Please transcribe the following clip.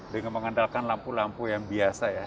dengan mengandalkan lampu lampu yang biasa ya